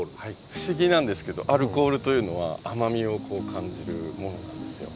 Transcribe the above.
不思議なんですけどアルコールというのは甘みを感じるものなんですよ。